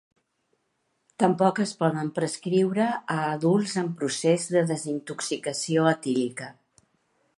Tampoc es poden prescriure a adults en procés de desintoxicació etílica.